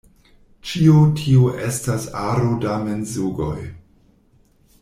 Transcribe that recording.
Ĉio tio estas aro da mensogoj.